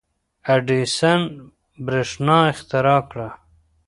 • اډیسن برېښنا اختراع کړه.